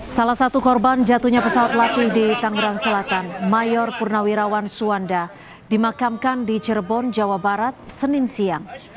salah satu korban jatuhnya pesawat latih di tangerang selatan mayor purnawirawan suwanda dimakamkan di cirebon jawa barat senin siang